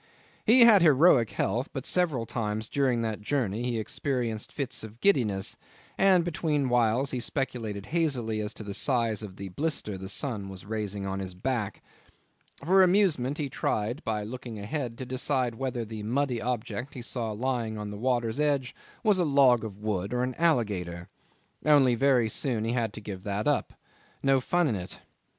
He had heroic health; but several times during that journey he experienced fits of giddiness, and between whiles he speculated hazily as to the size of the blister the sun was raising on his back. For amusement he tried by looking ahead to decide whether the muddy object he saw lying on the water's edge was a log of wood or an alligator. Only very soon he had to give that up. No fun in it.